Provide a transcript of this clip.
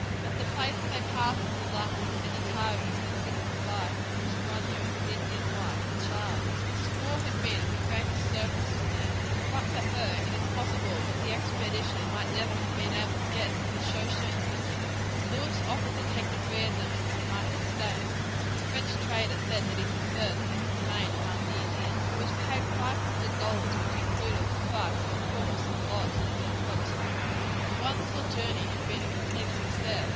At the place where they parted with the last of the Minnetarees they said goodbye to Chaboneau, his Indian wife, and child. The squaw had been of the greatest service to them; but for her it is possible that the expedition might never have been able to get through the Shoshone country. Lewis offered to take the three to the United States, but the French trader said that he preferred to remain among the Indians. He was paid five hundred dollars, which included the price of a horse and lodge that had been purchased from him. The wonderful journey had been a complete success.